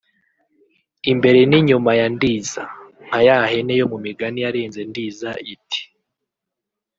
“imbere n’inyuma ya Ndiza” nka ya hene yo mu migani yarenze Ndiza iti